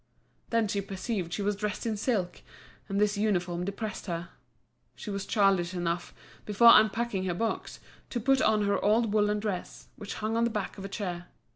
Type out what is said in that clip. Then she perceived she was dressed in silk; and this uniform depressed her. She was childish enough, before unpacking her box, to put on her old woollen dress, which hung on the back of a chair.